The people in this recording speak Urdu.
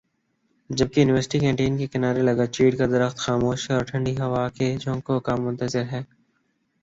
جبکہ یونیورسٹی کینٹین کے کنارے لگا چیڑ کا درخت خاموش ہےاور ٹھنڈی ہوا کے جھونکوں کا منتظر ہے